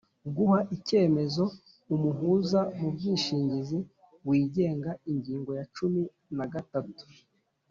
Guha icyemezo umuhuza mu bwishingizi wigenga Ingingo ya cumi na gatatu: